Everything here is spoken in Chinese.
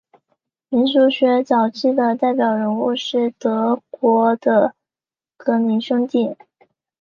民俗学早期的代表人物是德国的格林兄弟。